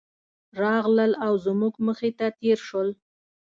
راغلل او زموږ مخې ته تېر شول.